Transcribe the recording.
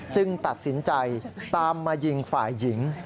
ตัดสินใจตามมายิงฝ่ายหญิง